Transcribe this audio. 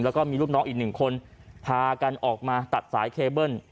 แล้วก็มีลูกน้องอีกหนึ่งคนพากันออกมาตัดสายเคเบิ้ล